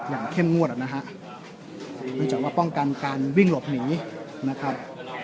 เข้มงวดอ่ะนะฮะเนื่องจากว่าป้องกันการวิ่งหลบหนีนะครับ